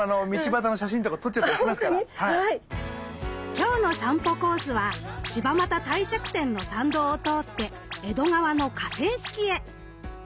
今日の散歩コースは柴又帝釈天の参道を通って江戸川の河川敷へ。